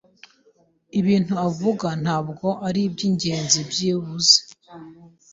Ibintu avuga ntabwo aribyingenzi byibuze.